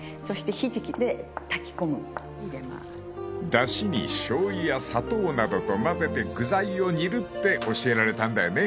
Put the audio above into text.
［だしにしょうゆや砂糖などと混ぜて具材を煮るって教えられたんだよね］